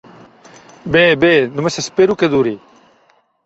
Bé, bé, només espero que duri.